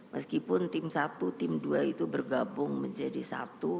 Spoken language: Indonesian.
meskipun tim satu tim dua itu bergabung menjadi satu